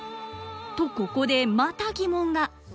とここでまた疑問が。